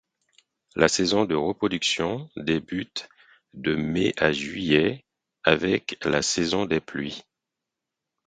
La saison de reproduction débute de mai à juillet avec la saison des pluies.